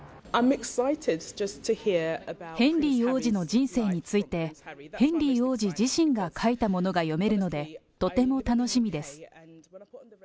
ヘンリー王子の人生について、ヘンリー王子自身が書いたものが読めるので、とても楽しみです。